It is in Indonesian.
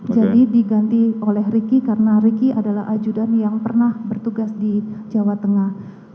jadi diganti oleh ricky karena ricky adalah ajudan yang pernah bertugas di jawa tengah